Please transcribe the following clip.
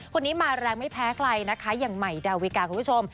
คนนี้มาแรงไม่แพ้ใครนะคะอย่างใหม่ดาวิกาคุณผู้ชม